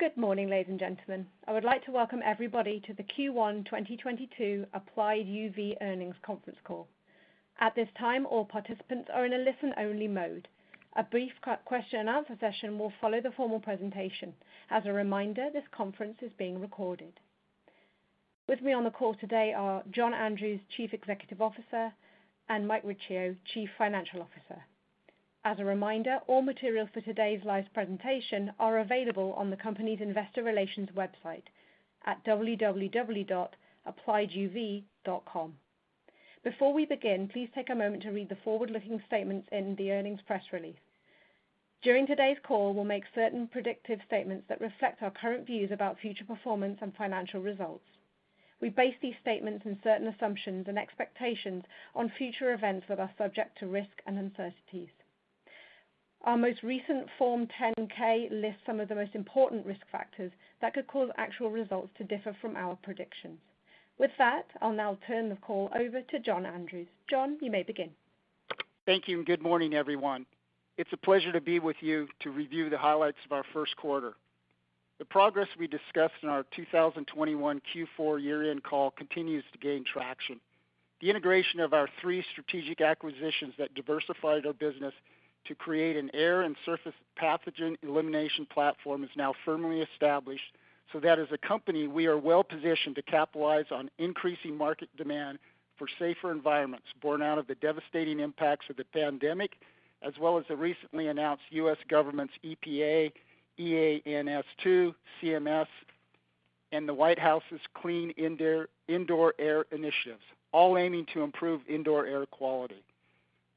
Good morning, ladies and gentlemen. I would like to welcome everybody to the Q1 2022 Applied UV earnings conference call. At this time, all participants are in a listen-only mode. A brief question and answer session will follow the formal presentation. As a reminder, this conference is being recorded. With me on the call today are John Andrews, Chief Executive Officer, and Mike Riccio, Chief Financial Officer. As a reminder, all materials for today's live presentation are available on the company's investor relations website at www.applieduv.com. Before we begin, please take a moment to read the forward-looking statements in the earnings press release. During today's call, we'll make certain predictive statements that reflect our current views about future performance and financial results. We base these statements on certain assumptions and expectations on future events that are subject to risk and uncertainties. Our most recent Form 10-K lists some of the most important risk factors that could cause actual results to differ from our predictions. With that, I'll now turn the call over to John Andrews. John, you may begin. Thank you, and good morning, everyone. It's a pleasure to be with you to review the highlights of our first quarter. The progress we discussed in our 2021 Q4 year-end call continues to gain traction. The integration of our three strategic acquisitions that diversified our business to create an air and surface pathogen elimination platform is now firmly established, so that as a company, we are well-positioned to capitalize on increasing market demand for safer environments borne out of the devastating impacts of the pandemic, as well as the recently announced U.S. government's EPA, ESSER II, CMS, and the White House's Clean Indoor Air initiatives, all aiming to improve indoor air quality.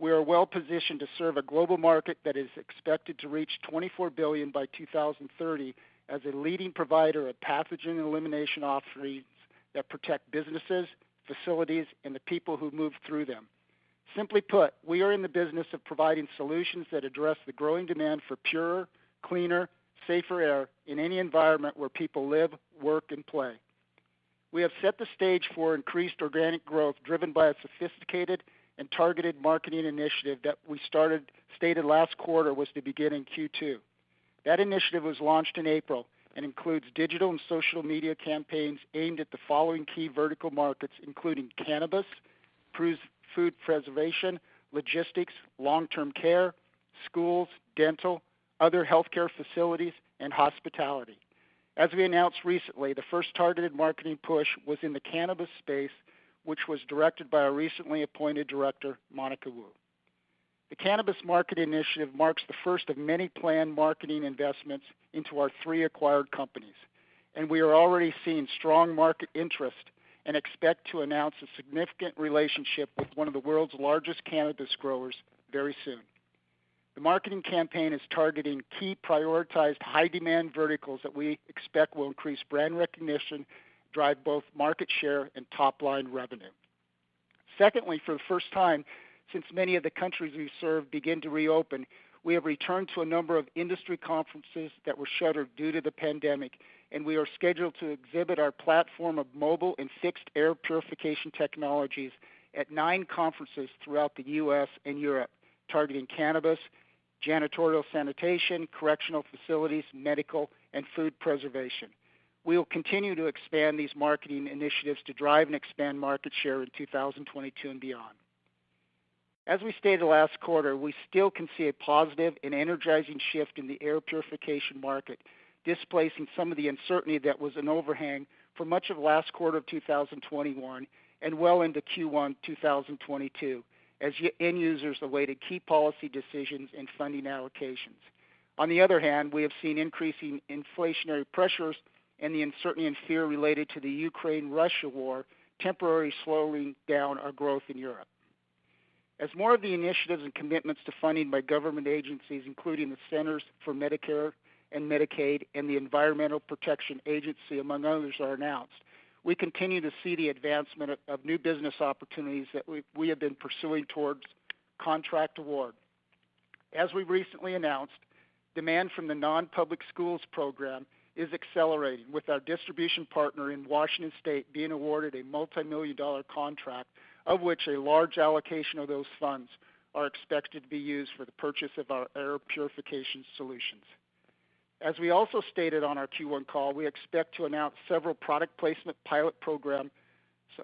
We are well-positioned to serve a global market that is expected to reach $24 billion by 2030 as a leading provider of pathogen elimination offerings that protect businesses, facilities, and the people who move through them. Simply put, we are in the business of providing solutions that address the growing demand for purer, cleaner, safer air in any environment where people live, work, and play. We have set the stage for increased organic growth driven by a sophisticated and targeted marketing initiative that we stated last quarter was to begin in Q2. That initiative was launched in April and includes digital and social media campaigns aimed at the following key vertical markets, including cannabis, food preservation, logistics, long-term care, schools, dental, other healthcare facilities, and hospitality. As we announced recently, the first targeted marketing push was in the cannabis space, which was directed by our recently appointed Director, Monica Wu. The cannabis market initiative marks the first of many planned marketing investments into our three acquired companies, and we are already seeing strong market interest and expect to announce a significant relationship with one of the world's largest cannabis growers very soon. The marketing campaign is targeting key prioritized high-demand verticals that we expect will increase brand recognition, drive both market share and top-line revenue. Secondly, for the first time since many of the countries we serve begin to reopen, we have returned to a number of industry conferences that were shuttered due to the pandemic, and we are scheduled to exhibit our platform of mobile and fixed air purification technologies at nine conferences throughout the U.S. and Europe, targeting cannabis, janitorial sanitation, correctional facilities, medical, and food preservation. We will continue to expand these marketing initiatives to drive and expand market share in 2022 and beyond. As we stated last quarter, we still can see a positive and energizing shift in the air purification market, displacing some of the uncertainty that was an overhang for much of last quarter of 2021 and well into Q1 2022 as end users awaited key policy decisions and funding allocations. On the other hand, we have seen increasing inflationary pressures and the uncertainty and fear related to the Ukraine-Russia war temporarily slowing down our growth in Europe. As more of the initiatives and commitments to funding by government agencies, including the Centers for Medicare & Medicaid and the Environmental Protection Agency, among others, are announced, we continue to see the advancement of new business opportunities that we have been pursuing towards contract award. As we recently announced, demand from the non-public schools program is accelerating, with our distribution partner in Washington State being awarded a multi-million-dollar contract, of which a large allocation of those funds are expected to be used for the purchase of our air purification solutions. As we also stated on our Q1 call, we expect to announce several product placement pilot programs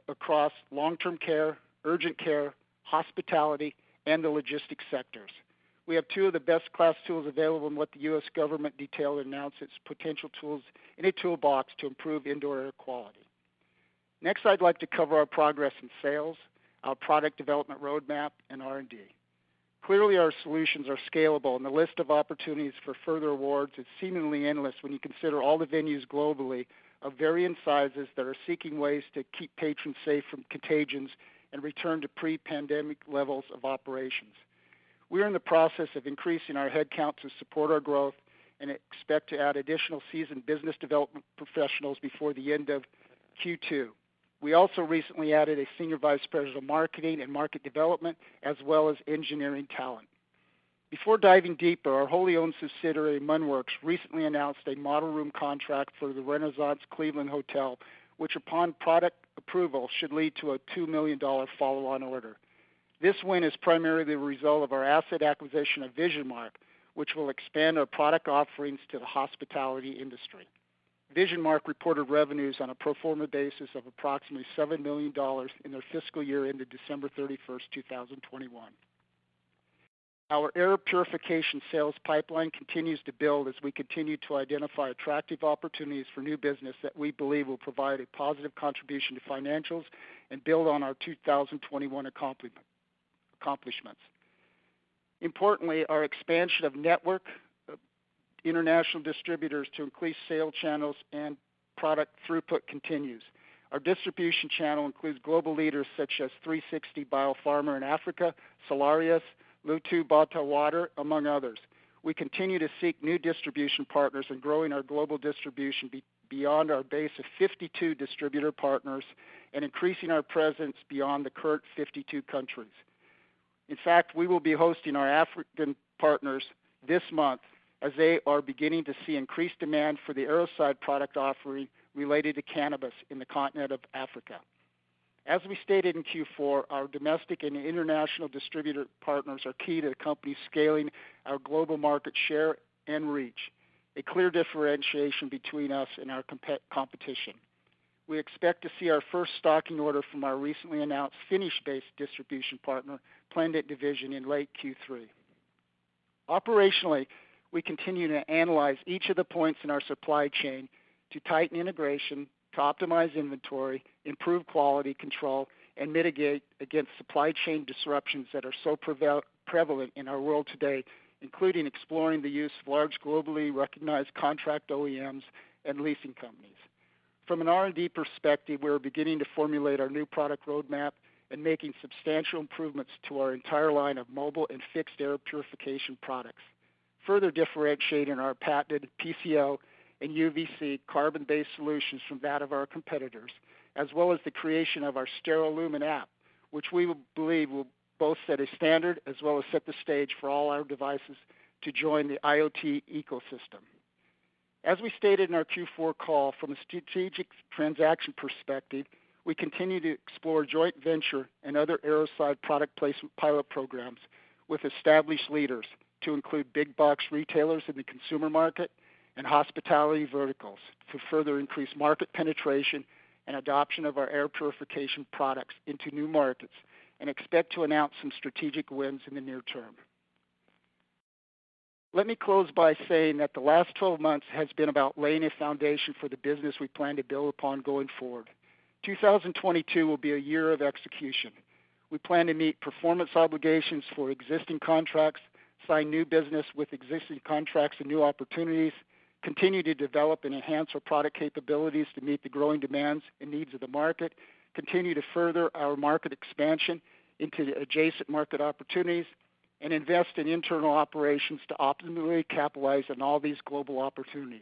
across long-term care, urgent care, hospitality, and the logistics sectors. We have two of the best-in-class tools available in what the U.S. government detailed and announced its potential tools in a toolbox to improve indoor air quality. Next, I'd like to cover our progress in sales, our product development roadmap, and R&D. Clearly, our solutions are scalable, and the list of opportunities for further awards is seemingly endless when you consider all the venues globally of varying sizes that are seeking ways to keep patrons safe from contagions and return to pre-pandemic levels of operations. We are in the process of increasing our headcount to support our growth and expect to add additional seasoned business development professionals before the end of Q2. We also recently added a Senior Vice President of Marketing and Market Development as well as engineering talent. Before diving deeper, our wholly owned subsidiary, Munn Works, recently announced a model room contract for the Renaissance Cleveland Hotel, which, upon product approval, should lead to a $2 million follow-on order. This win is primarily the result of our asset acquisition of VisionMark, which will expand our product offerings to the hospitality industry. VisionMark reported revenues on a pro forma basis of approximately $7 million in their fiscal year ended December 31st, 2021. Our air purification sales pipeline continues to build as we continue to identify attractive opportunities for new business that we believe will provide a positive contribution to financials and build on our 2021 accomplishments. Importantly, our expansion of network international distributors to increase sales channels and product throughput continues. Our distribution channel includes global leaders such as 3Sixty Biopharmaceuticals in Africa, Solarius, Lutete, BotaWater, among others. We continue to seek new distribution partners and growing our global distribution beyond our base of 52 distributor partners and increasing our presence beyond the current 52 countries. In fact, we will be hosting our African partners this month as they are beginning to see increased demand for the Airocide product offering related to cannabis in the continent of Africa. As we stated in Q4, our domestic and international distributor partners are key to the company scaling our global market share and reach, a clear differentiation between us and our competition. We expect to see our first stocking order from our recently announced Finnish-based distribution partner, Plandent Division, in late Q3. Operationally, we continue to analyze each of the points in our supply chain to tighten integration, to optimize inventory, improve quality control, and mitigate against supply chain disruptions that are so prevalent in our world today, including exploring the use of large, globally recognized contract OEMs and leasing companies. From an R&D perspective, we are beginning to formulate our new product roadmap and making substantial improvements to our entire line of mobile and fixed air purification products, further differentiating our patented PCO and UVC carbon-based solutions from that of our competitors, as well as the creation of our Sterilumen app, which we believe will both set a standard as well as set the stage for all our devices to join the IoT ecosystem. As we stated in our Q4 call, from a strategic transaction perspective, we continue to explore joint venture and other Airocide product placement pilot programs with established leaders to include big box retailers in the consumer market and hospitality verticals to further increase market penetration and adoption of our air purification products into new markets and expect to announce some strategic wins in the near term. Let me close by saying that the last 12 months has been about laying a foundation for the business we plan to build upon going forward. 2022 will be a year of execution. We plan to meet performance obligations for existing contracts, sign new business with existing contracts and new opportunities, continue to develop and enhance our product capabilities to meet the growing demands and needs of the market, continue to further our market expansion into adjacent market opportunities, and invest in internal operations to optimally capitalize on all these global opportunities.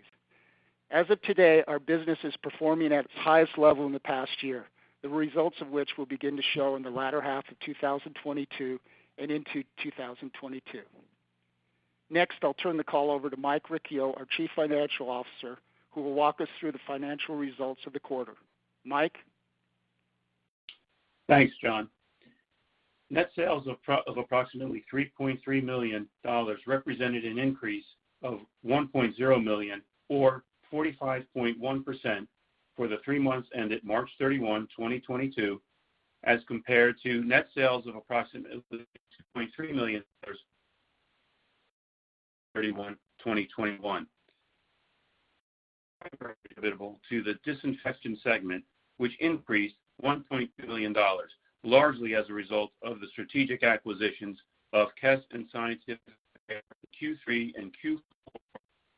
As of today, our business is performing at its highest level in the past year, the results of which will begin to show in the latter half of 2022 and into 2022. Next, I'll turn the call over to Mike Riccio, our Chief Financial Officer, who will walk us through the financial results of the quarter. Mike? Thanks, John. Net sales of approximately $3.3 million represented an increase of $1.0 million or 45.1% for the three months ended March 31, 2022, as compared to net sales of approximately $2.3 million March 31, 2021. To the Disinfection segment, which increased $1.2 million, largely as a result of the strategic acquisitions of KES and Scientific Air Management in Q3 and Q4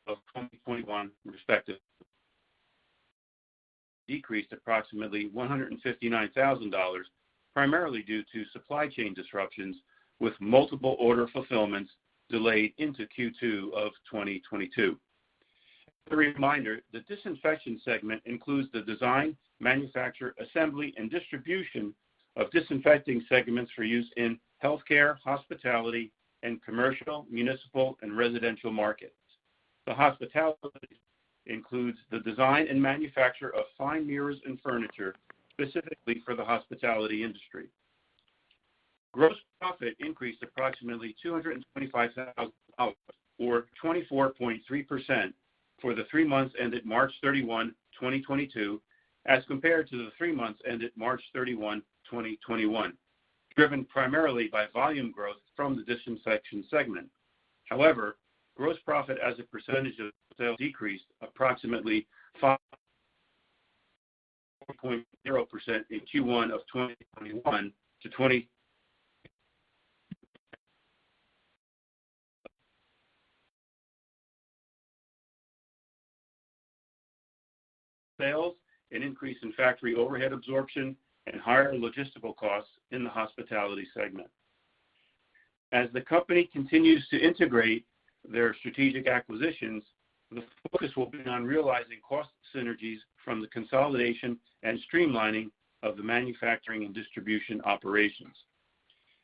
of 2021, respectively. Decreased approximately $159,000, primarily due to supply chain disruptions, with multiple order fulfillments delayed into Q2 of 2022. As a reminder, the Disinfection segment includes the design, manufacture, assembly, and distribution of disinfecting segments for use in healthcare, hospitality, and commercial, municipal, and residential markets. The Hospitality includes the design and manufacture of fine mirrors and furniture specifically for the hospitality industry. Gross profit increased approximately $225,000, or 24.3%, for the three months ended March 31, 2022, as compared to the three months ended March 31, 2021, driven primarily by volume growth from the Disinfection segment. However, gross profit as a percentage of sales decreased approximately 5.0% in Q1 2022 due to lower sales, an increase in factory overhead absorption, and higher logistical costs in the Hospitality segment. As the company continues to integrate their strategic acquisitions, the focus will be on realizing cost synergies from the consolidation and streamlining of the manufacturing and distribution operations.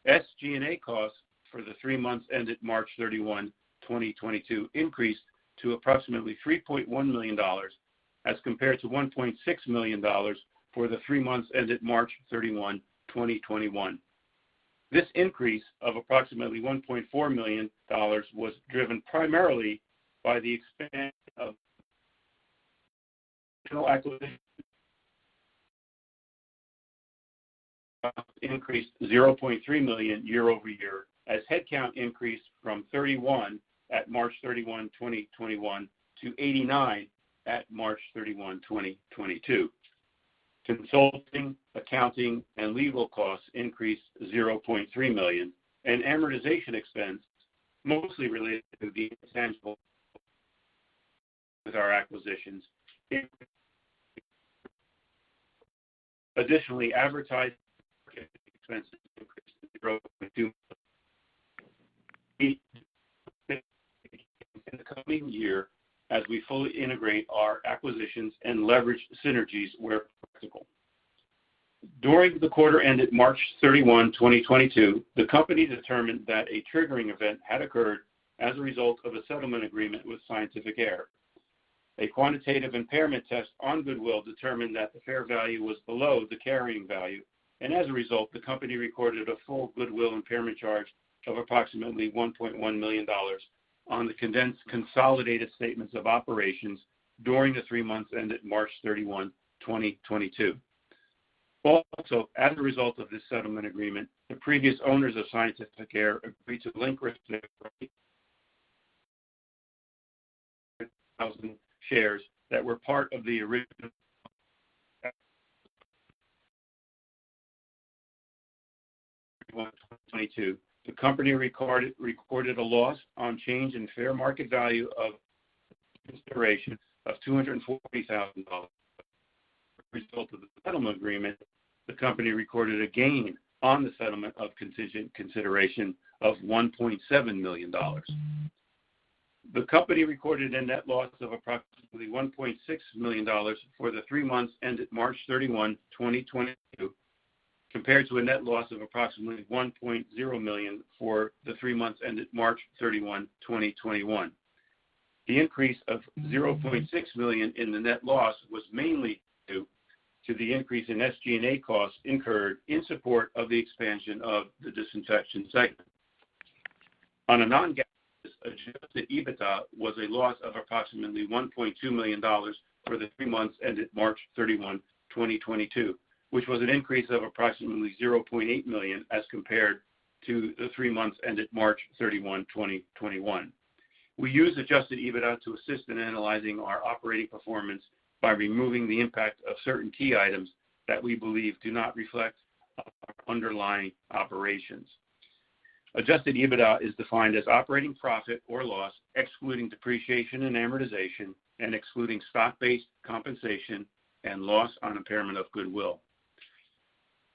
SG&A costs for the three months ended March 31, 2022, increased to approximately $3.1 million as compared to $1.6 million for the three months ended March 31, 2021. This increase of approximately $1.4 million was driven primarily by the expansion, increased $0.3 million year-over-year as headcount increased from 31 at March 31, 2021 to 89 at March 31, 2022. Consulting, accounting, and legal costs increased $0.3 million, and amortization expense, mostly related to the intangibles with our acquisitions. Additionally, advertising expenses increased in the coming year as we fully integrate our acquisitions and leverage synergies where practical. During the quarter ended March 31, 2022, the company determined that a triggering event had occurred as a result of a settlement agreement with Scientific Air Management. A quantitative impairment test on goodwill determined that the fair value was below the carrying value, and as a result, the company recorded a full goodwill impairment charge of approximately $1.1 million on the condensed consolidated statements of operations during the three months ended March 31, 2022. As a result of this settlement agreement, the previous owners of Scientific Air agreed to forfeit 1,000 shares that were part of the original 2022. The company recorded a loss on change in fair market value of consideration of $240,000. As a result of the settlement agreement, the company recorded a gain on the settlement of consideration of $1.7 million. The company recorded a net loss of approximately $1.6 million for the three months ended March 31, 2022, compared to a net loss of approximately $1.0 million for the three months ended March 31, 2021. The increase of $0.6 million in the net loss was mainly due to the increase in SG&A costs incurred in support of the expansion of the Disinfection segment. On a non-GAAP basis, adjusted EBITDA was a loss of approximately $1.2 million for the three months ended March 31, 2022, which was an increase of approximately $0.8 million as compared to the three months ended March 31, 2021. We use adjusted EBITDA to assist in analyzing our operating performance by removing the impact of certain key items that we believe do not reflect our underlying operations. Adjusted EBITDA is defined as operating profit or loss, excluding depreciation and amortization, and excluding stock-based compensation and loss on impairment of goodwill.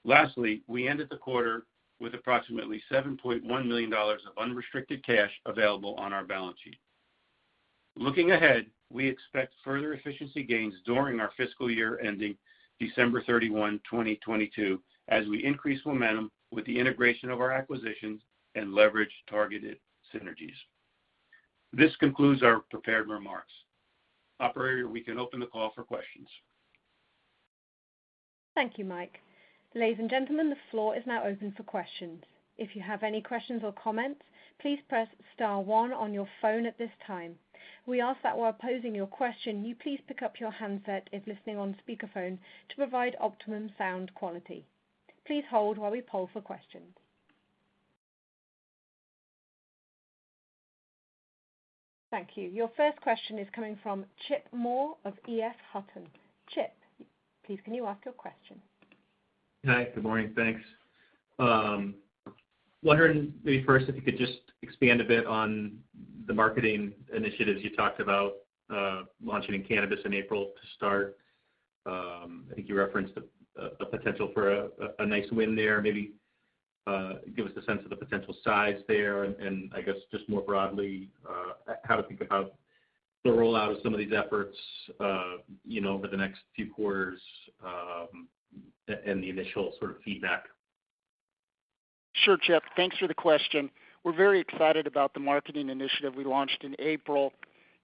Lastly, we ended the quarter with approximately $7.1 million of unrestricted cash available on our balance sheet. Looking ahead, we expect further efficiency gains during our fiscal year ending December 31, 2022, as we increase momentum with the integration of our acquisitions and leverage targeted synergies. This concludes our prepared remarks. Operator, we can open the call for questions. Thank you, Mike. Ladies and gentlemen, the floor is now open for questions. If you have any questions or comments, please press star one on your phone at this time. We ask that while posing your question, you please pick up your handset if listening on speakerphone to provide optimum sound quality. Please hold while we poll for questions. Thank you. Your first question is coming from Chip Moore of EF Hutton. Chip, please can you ask your question? Hi. Good morning. Thanks. Wondering maybe first if you could just expand a bit on the marketing initiatives you talked about launching in cannabis in April to start. I think you referenced a potential for a nice win there. Maybe give us a sense of the potential size there and I guess just more broadly how to think about the rollout of some of these efforts you know over the next few quarters and the initial sort of feedback? Sure, Chip. Thanks for the question. We're very excited about the marketing initiative we launched in April.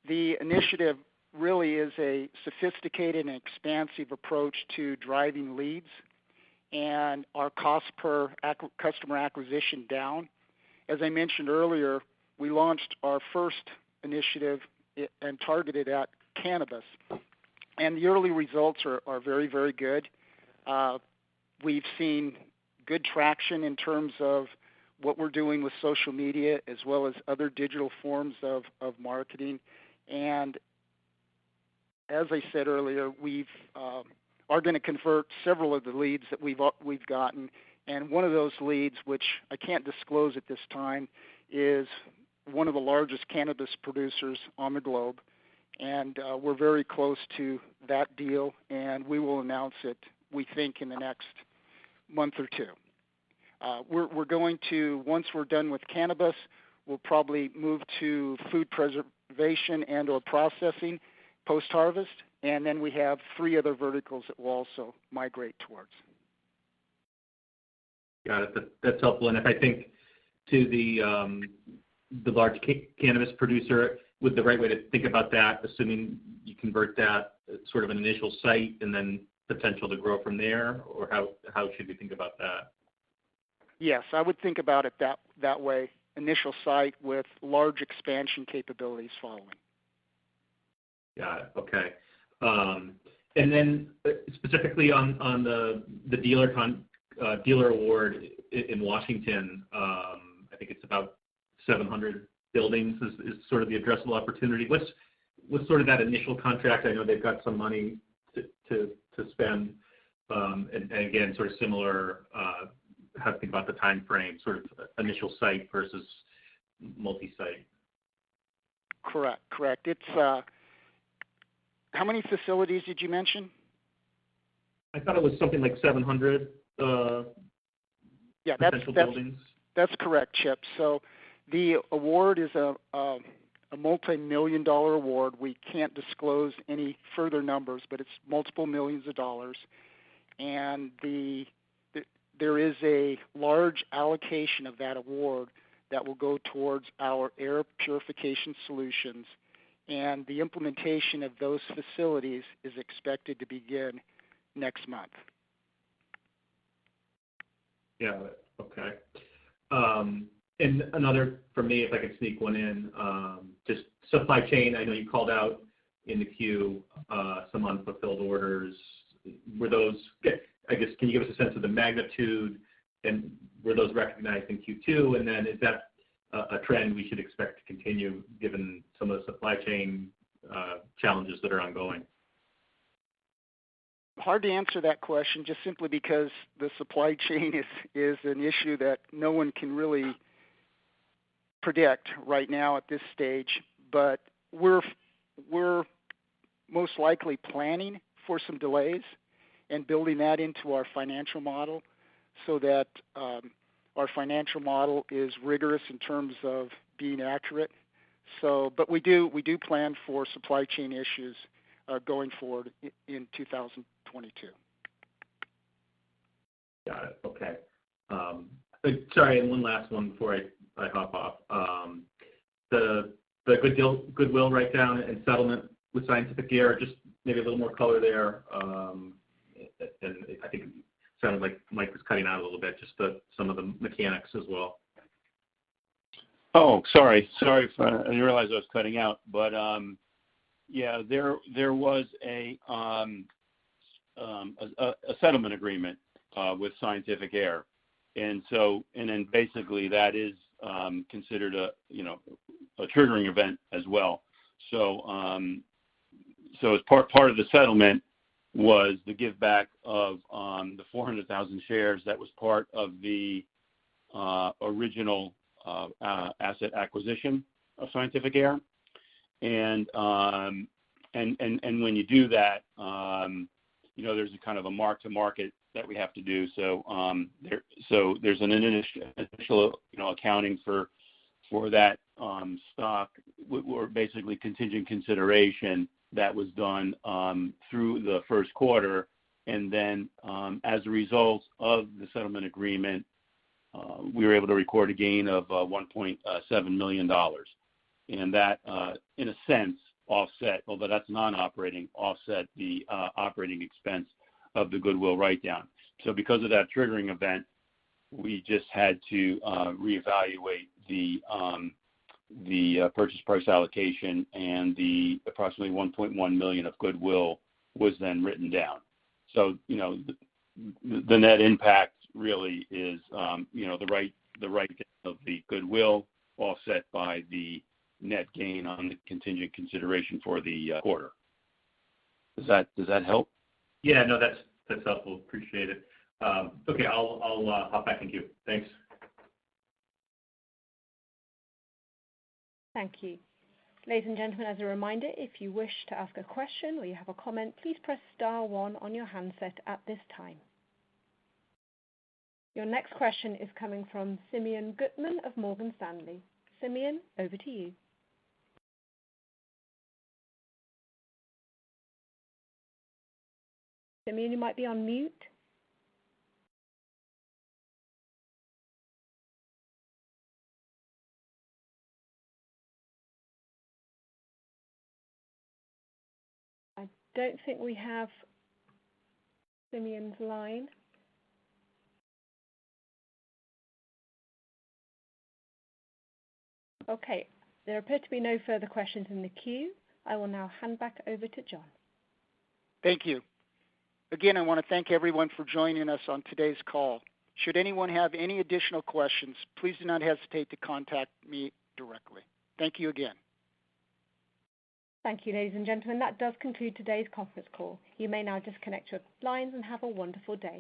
The initiative really is a sophisticated and expansive approach to driving leads and our cost per acquisition down. As I mentioned earlier, we launched our first initiative targeted at cannabis, and the early results are very, very good. We've seen good traction in terms of what we're doing with social media as well as other digital forms of marketing. As I said earlier, we're gonna convert several of the leads that we've gotten, and one of those leads, which I can't disclose at this time, is one of the largest cannabis producers on the globe. We're very close to that deal, and we will announce it, we think, in the next month or two. We're going to. Once we're done with cannabis, we'll probably move to food preservation and/or processing post-harvest, and then we have three other verticals that we'll also migrate towards. Got it. That, that's helpful. If I think to the large cannabis producer, would the right way to think about that, assuming you convert that sort of initial site and then potential to grow from there? Or how should we think about that? Yes, I would think about it that way. Initial site with large expansion capabilities following. Got it. Okay. Specifically on the dealer award in Washington, I think it's about 700 buildings is sort of the addressable opportunity. What's sort of that initial contract? I know they've got some money to spend, and again, sort of similar, how to think about the timeframe, sort of initial site versus multi-site. Correct, correct. It's, How many facilities did you mention? I thought it was something like 700. Yeah. potential buildings. That's correct, Chip. The award is a multimillion-dollar award. We can't disclose any further numbers, but it's $ multiple millions. There is a large allocation of that award that will go towards our air purification solutions, and the implementation of those facilities is expected to begin next month. Yeah. Okay. Another from me, if I could sneak one in. Just supply chain, I know you called out in the queue, some unfulfilled orders. Were those? I guess, can you give us a sense of the magnitude, and were those recognized in Q2? Then is that a trend we should expect to continue given some of the supply chain challenges that are ongoing? Hard to answer that question just simply because the supply chain is an issue that no one can really predict right now at this stage. We're most likely planning for some delays and building that into our financial model so that our financial model is rigorous in terms of being accurate. We do plan for supply chain issues going forward in 2022. Got it. Okay. Sorry, and one last one before I hop off. The goodwill write-down and settlement with Scientific Air, just maybe a little more color there. I think it sounded like Mike was cutting out a little bit, just some of the mechanics as well. Oh, sorry. I didn't realize I was cutting out. Yeah, there was a settlement agreement with Scientific Air. Basically that is considered a triggering event as well. As part of the settlement was the give back of the 400,000 shares that was part of the original asset acquisition of Scientific Air. When you do that, there's a kind of a mark-to-market that we have to do. There's an initial accounting for that stock. We're basically contingent consideration that was done through the first quarter. As a result of the settlement agreement, we were able to record a gain of $1.7 million. That in a sense offset, although that's non-operating, the operating expense of the goodwill write-down. Because of that triggering event, we just had to reevaluate the purchase price allocation and the approximately $1.1 million of goodwill was then written down. You know, the net impact really is, you know, the write-down of the goodwill offset by the net gain on the contingent consideration for the quarter. Does that help? Yeah, no. That's helpful. Appreciate it. Okay. I'll hop back in queue. Thanks. Thank you. Ladies and gentlemen, as a reminder, if you wish to ask a question or you have a comment, please press star one on your handset at this time. Your next question is coming from Simeon Gutman of Morgan Stanley. Simeon, over to you. Simeon, you might be on mute. I don't think we have Simeon's line. Okay, there appear to be no further questions in the queue. I will now hand back over to John. Thank you. Again, I wanna thank everyone for joining us on today's call. Should anyone have any additional questions, please do not hesitate to contact me directly. Thank you again. Thank you, ladies and gentlemen. That does conclude today's conference call. You may now disconnect your lines, and have a wonderful day.